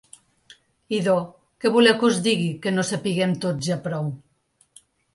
Idò, què voleu que us en digui que no sapiguem tots ja prou?